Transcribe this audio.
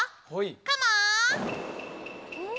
カモン！